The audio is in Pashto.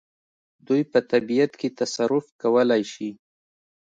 دوی په طبیعت کې تصرف کولای شي.